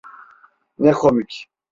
Ne komik!